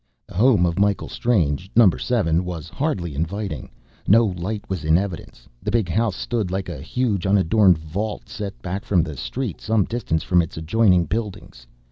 The home of Michael Strange number seven was hardly inviting. No light was in evidence. The big house stood like a huge, unadorned vault set back from the street, some distance from its adjoining buildings.